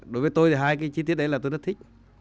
đối với tôi thì hai cái chi tiết đấy là tôi rất thích